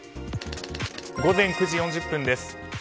午前９時４０分です。